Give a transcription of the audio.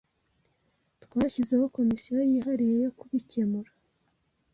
Twashyizeho Komisiyo yihariye yo kubikemura